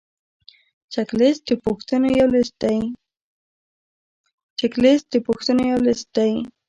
چک لیست د پوښتنو یو لیست دی.